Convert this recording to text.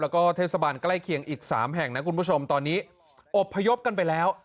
แล้วก็เทศบาลใกล้เคียงอีก๓แห่งนะคุณผู้ชมตอนนี้อบพยพกันไปแล้ว